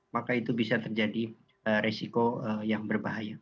maka itu bisa terjadi resiko yang berbahaya